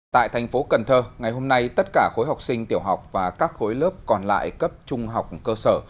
tại thành phố cần thơ ngày hôm nay tất cả khối học sinh tiểu học và các khối lớp còn lại cấp trung học cơ sở